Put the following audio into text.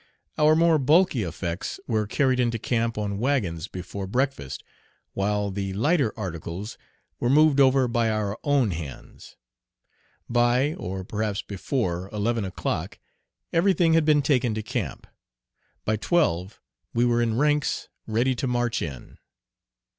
Our more bulky effects were carried into camp on wagons before breakfast, while the lighter articles were moved over by our own hands. By, or perhaps before, eleven o'clock every thing had been taken to camp. By twelve we were in ranks ready to march in.